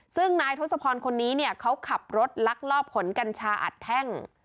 ซึ่งนายทศพรคนนี้เนี่ยเขาขับรถลักลอบขนกัญชาอัดแท่ง